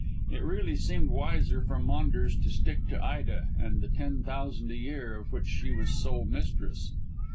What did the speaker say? It really seemed wiser for Maunders to stick to Ida and the ten thousand a year of which she was sole mistress.